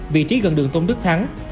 vị trí gần đường tông đức thắng